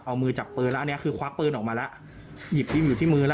เอามือจับปืนแล้วควักปืนออกมาแล้ว